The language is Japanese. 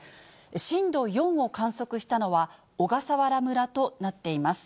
震度４を観測したのは、小笠原村となっています。